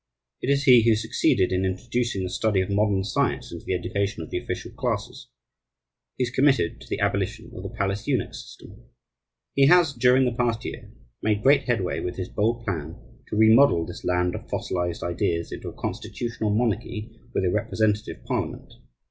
It is he who succeeded in introducing the study of modern science into the education of the official classes. He is committed to the abolition of the palace eunuch system. He has, during the past year, made great headway with his bold plan to remodel this land of fossilized ideas into a constitutional monarchy, with a representative parliament.